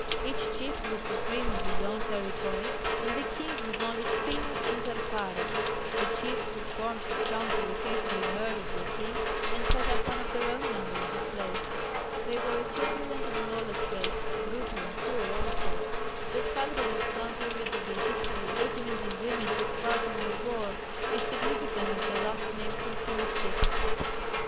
Each chief was supreme on his own territory, and the king was only primus inter pares. The chiefs who formed his council occasionally murdered their king and set up one of their own number in his place. They were a turbulent and lawless race brutal and cruel also. The fact that at some periods of their history regiments of women took part in their wars is significant of the last named characteristics.